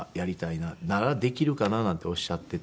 「ならできるかな」なんておっしゃっていて。